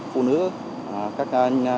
phụ nữ các